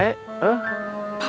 tidak ada perlawanan